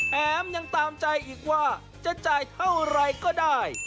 แถมยังตามใจอีกว่าจะจ่ายเท่าไรก็ได้